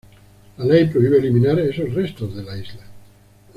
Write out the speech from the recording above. La ley prohíbe eliminar esos restos de la isla.